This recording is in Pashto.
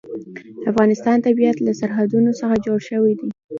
د افغانستان طبیعت له سرحدونه څخه جوړ شوی دی.